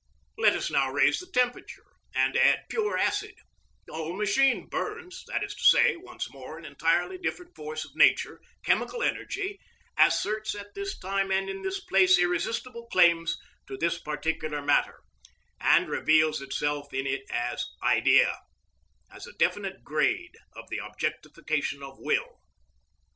Let us now raise the temperature and add pure acid; the whole machine burns; that is to say, once more an entirely different force of nature, chemical energy, asserts at this time and in this place irresistible claims to this particular matter, and reveals itself in it as Idea, as a definite grade of the objectification of will.